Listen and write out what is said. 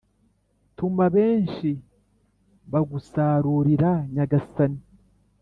tuma benshi bagusarurira nyagasani